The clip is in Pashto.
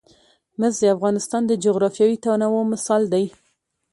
مس د افغانستان د جغرافیوي تنوع مثال دی.